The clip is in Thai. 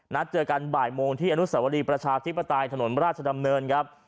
นัดเจอกันบ่ายโมงที่อนุสวรีประชาธิปไตยถนนราชดำเนินครับ